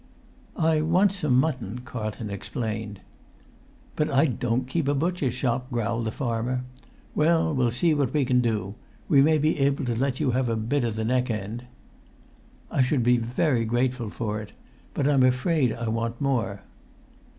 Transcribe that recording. "I want some mutton," Carlton explained. "But I don't keep a butcher's shop," growled the farmer. "Well, we'll see what we can do; we may be able to let you have a bit of the neck end." "I should be very grateful for it. But I'm afraid I want more."